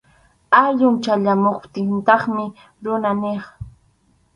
Awyun chayamuptintaqmi runa niq.